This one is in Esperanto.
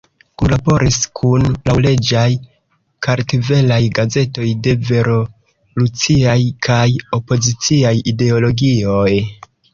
Kunlaboris kun laŭleĝaj kartvelaj gazetoj de revoluciaj kaj opoziciaj ideologioj.